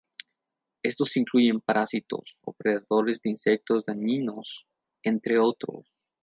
Estos incluyen parásitos o predadores de insectos dañinos entre otros.